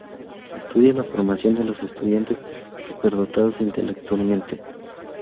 Estudia la formación de los estudiantes superdotados intelectualmente.